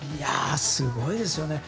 すごいですよね。